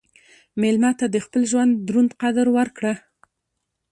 مېلمه ته د خپل ژوند دروند قدر ورکړه.